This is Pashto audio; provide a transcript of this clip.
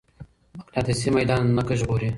مقناطيسي ميدان ځمکه ژغوري.